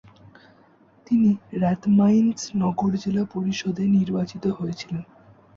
তিনি র্যাথমাইন্স নগর জেলা পরিষদে নির্বাচিত হয়েছিলেন।